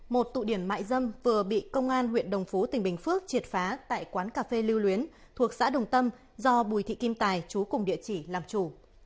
một tụ điểm mại dâm vừa bị công an huyện đồng phú tỉnh bình phước triệt phá tại quán cà phê lưu luyến thuộc xã đồng tâm do bùi thị kim tài chú cùng địa chỉ làm chủ